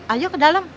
ayo ke dalam